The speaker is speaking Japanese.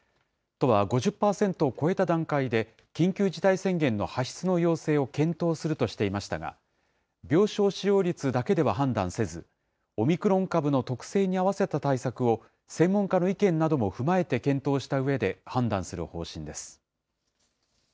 都は５０％を超えた段階で、緊急事態宣言の発出の要請を検討するとしていましたが、病床使用率だけでは判断せず、オミクロン株の特性に合わせた対策を、専門家の意見なども踏まえて検討したうえで、判断する方針です。